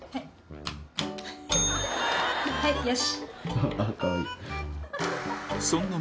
はいよし。